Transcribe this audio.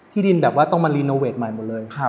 ดินแบบว่าต้องมารีโนเวทใหม่หมดเลย